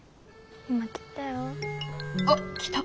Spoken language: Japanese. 今切ったよ。